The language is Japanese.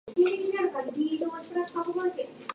福井県勝山市